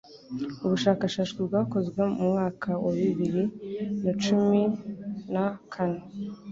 Ubushakashatsi bwakozwe mu mwaka wa bibiri na cumin a kane